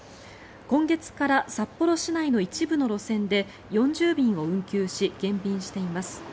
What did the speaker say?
今月から札幌市内の一部の路線で４０便を運休し減便しています。